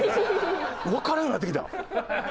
わからんようになってきた。